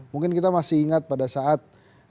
mungkin kita masih ingat pada saat